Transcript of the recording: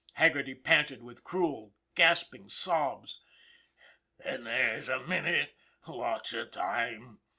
Haggerty panted with cruel, gasp ing sobs. " Then there's a minute, lots of time !